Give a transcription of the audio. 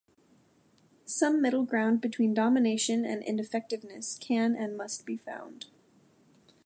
Some middle ground between domination and ineffectiveness can and must be found.